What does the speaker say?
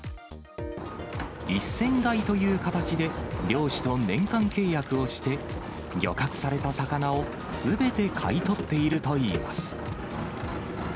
１船買いという形で漁師と年間契約をして、漁獲された魚を、すべて買い取っているといいます。